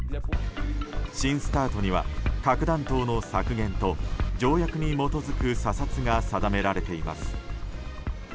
新ＳＴＡＲＴには核弾頭の削減と条約に基づく査察が定められています。